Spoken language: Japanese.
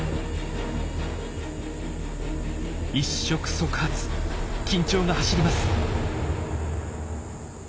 一触即発緊張が走ります。